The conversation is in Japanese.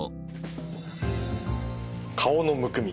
顔のむくみ